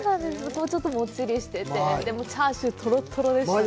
ちょっともっちりしてて、でも、チャーシュー、とろとろでしたね。